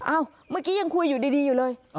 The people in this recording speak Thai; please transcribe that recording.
เมื่อกี้ยังคุยอยู่ดีอยู่เลย